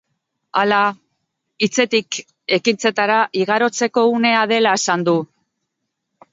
Hala, hitzetatik ekintzetara igarotzeko unea dela esan du.